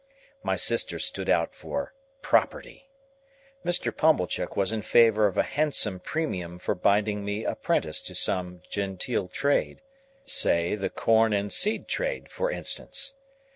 My sister stood out for "property." Mr. Pumblechook was in favour of a handsome premium for binding me apprentice to some genteel trade,—say, the corn and seed trade, for instance.